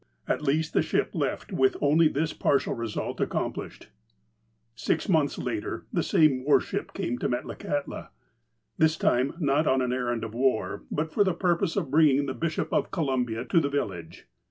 At least the ship left with only this partial result ac complished. Six months later the same war ship came to Metlakahtla. This time not on an errand of war, but for the purpose of bringing the Bishop of Columbia to the village.